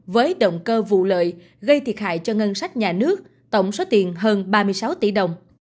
với động cơ vụ lợi gây thiệt hại cho ngân sách nhà nước tổng số tiền hơn ba mươi sáu tỷ đồng